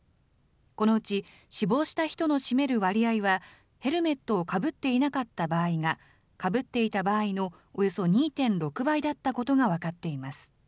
このうち死亡した人の占める割合はヘルメットをかぶっていなかった場合が、かぶっていた場合のおよそ２．６倍だったことが分かっています。